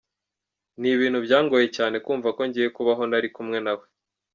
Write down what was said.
Ni ibintu byangoye cyane kumva ko ngiye kubaho ntari kumwe na we.